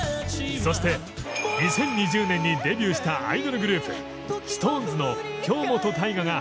そして２０２０年にデビューしたアイドルグループＳｉｘＴＯＮＥＳの京本大我が初登場。